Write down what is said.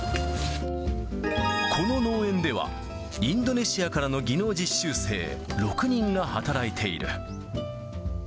この農園では、インドネシアからの技能実習生６人が働いている。